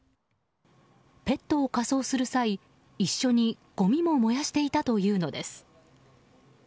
ペットを火葬する際、一緒にごみも燃やしていたというのです。